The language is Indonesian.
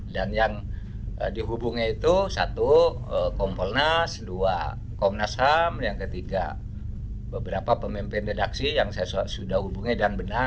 yang dihubungnya itu satu kompolnas dua komnas ham yang ketiga beberapa pemimpin redaksi yang saya sudah hubungi dan benar